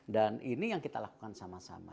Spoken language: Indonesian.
dan ini yang kita lakukan sama sama